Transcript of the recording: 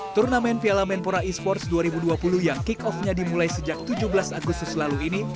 turnamen piala menpora esports dua ribu dua puluh yang kick off nya dimulai sejak tujuh belas agustus lalu ini